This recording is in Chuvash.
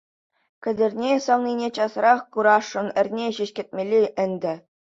Кӗтерне савнине часрах курасшӑн, эрне ҫеҫ кӗтмелле ӗнтӗ.